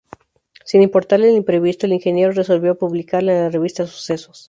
Sin importarle el imprevisto, el ingeniero resolvió publicarla en la revista Sucesos.